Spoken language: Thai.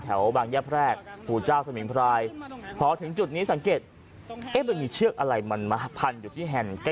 บางยะแพรกภูเจ้าสมิงพรายพอถึงจุดนี้สังเกตมันมีเชือกอะไรมันมาพันอยู่ที่แฮนด์แก้